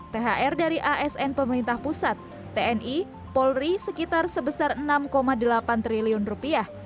thr dari asn pemerintah pusat tni polri sekitar sebesar enam delapan triliun rupiah